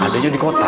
adanya di kota